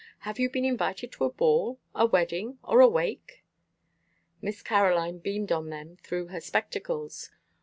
Have you been invited to a ball, a wedding, or a wake?" Miss Caroline beamed on them through her spectacles.